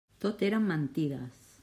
Tot eren mentides!